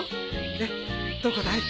でどこだい？